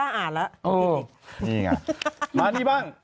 นี่ไงมานี่บ้าง